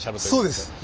そうです。